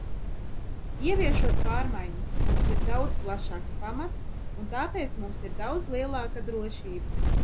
Ieviešot pārmaiņas, mums ir daudz plašāks pamats, un tāpēc mums ir daudz lielāka drošība.